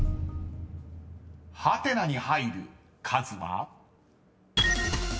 ［ハテナに入る数は？］